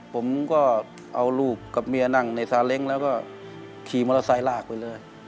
ผมก็เอาลูกกับเมียนั่งในซาเล้งแล้วก็ขี่มอเตอร์ไซค์ลากไปเลย